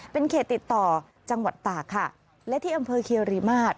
เป็นเขตติดต่อจังหวัดตากค่ะและที่อำเภอเคียรีมาตร